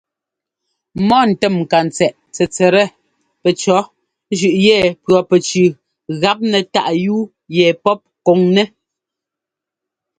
Mɔ ntɛ́mŋkatsɛꞌ tsɛtsɛt pɛcɔ̌ zʉꞌ yɛ pʉɔpɛtsʉʉ gap nɛ táꞌ yúu yɛ pɔ́p kɔŋnɛ́.